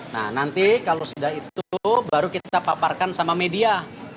nah nanti kalau sudah itu baru kita paparkan sama media